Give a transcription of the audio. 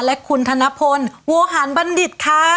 และคุณธนพลโวหารบัณฑิตค่ะ